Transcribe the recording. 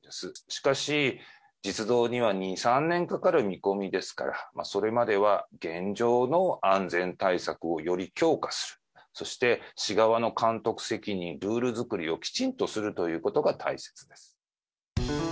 しかし、実働には２、３年はかかる見込みですから、それまでは現状の安全対策をより強化する、そして市側の監督責任、ルール作りをきちんとするということが大切です。